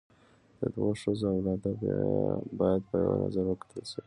د دوو ښځو اولاده باید په یوه نظر وکتل سي.